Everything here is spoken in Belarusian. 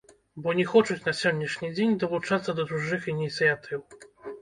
Бо не хочуць на сённяшні дзень далучацца да чужых ініцыятыў.